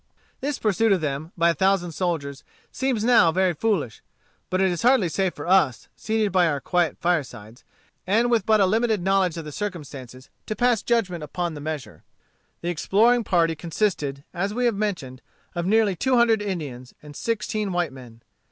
This pursuit of them, by a thousand soldiers, seems now very foolish. But it is hardly safe for us, seated by our quiet firesides, and with but a limited knowledge of the circumstances, to pass judgment upon the measure. The exploring party consisted, as we have mentioned, of nearly two hundred Indians, and sixteen white men.